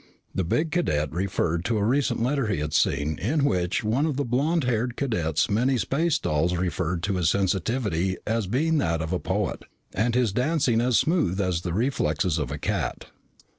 The big cadet referred to a recent letter he had seen in which one of the blond haired cadet's many space dolls referred to his sensitivity as being that of a poet, and his dancing as smooth as the reflexes of a cat.